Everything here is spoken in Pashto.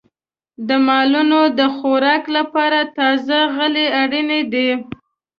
د مالونو د خوراک لپاره تازه غله اړینه ده.